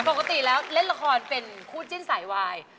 ปกติแล้วเล่นละครเป็นคู่จิ้นสายวาย